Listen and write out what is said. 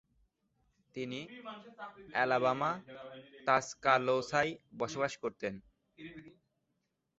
তিনি অ্যালাবামা তাসকালোসায় বসবাস করতেন।